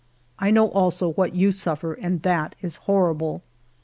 I know also what you suffer, and that is horrible.